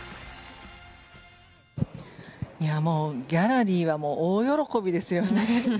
ギャラリーは大喜びですよ。